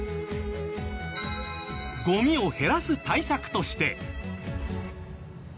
ゴミを減らす対策として。